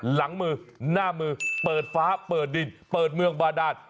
หลังมือหน้ามือเปิดฟ้าเปิดดินเปิดเมืองบาดาน